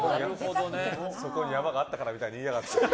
そこに山があったからみたいに言いやがって。